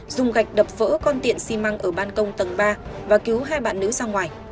dùng gạch đập vỡ con tiệm xi măng ở ban công tầng ba và cứu hai bạn nữ ra ngoài